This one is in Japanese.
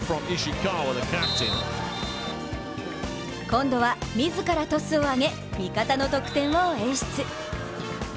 今度は自らトスを上げ、味方の得点を演出。